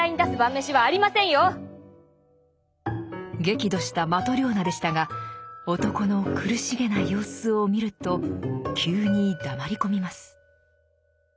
激怒したマトリョーナでしたが男の苦しげな様子を見ると急に黙り込みます。